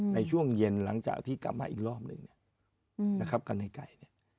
ในช่วงเย็นหลังจากที่กลับมาอีกรอบหนึ่งนะครับกันให้ไก่